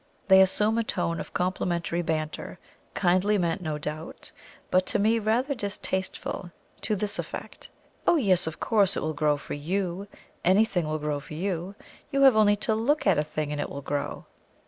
They assume a tone of complimentary banter, kindly meant no doubt, but to me rather distasteful, to this effect: "Oh yes, of course it will grow for you; anything will grow for you; you have only to look at a thing and it will grow."